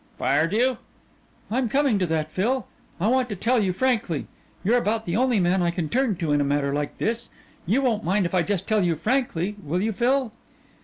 "Fired you?" "I'm coming to that, Phil. I want to tell you frankly. You're about the only man I can turn to in a matter like this. You won't mind if I just tell you frankly, will you, Phil?"